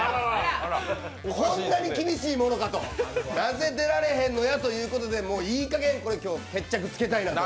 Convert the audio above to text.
こんなに厳しいものかとなぜ出られへんのやということで、いい加減決着をつけたいなと。